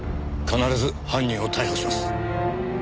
必ず犯人を逮捕します。